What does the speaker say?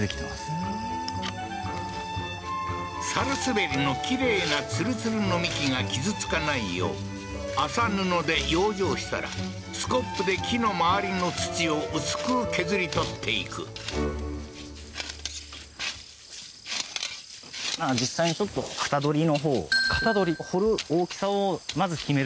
サルスベリのきれいなツルツルの幹が傷つかないよう麻布で養生したらスコップで木の周りの土を薄く削り取っていく実際にちょっと型取り？